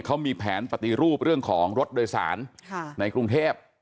เขามีแผนปฏิรูปเรื่องของรถโดยสารในกรุงเทพ